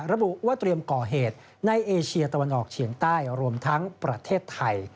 ระบุว่าเตรียมก่อเหตุในเอเชียตะวันออกเฉียงใต้รวมทั้งประเทศไทย